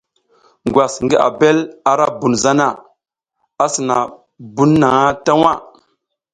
Ngwas ngi abel ara bun zana, a sina na bun na ta waʼa.